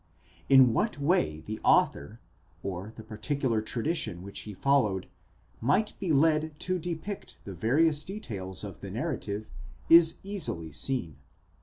In what way the author, or the particular tradition which he followed, might be led to depict the various details of the narrative, is easily seen.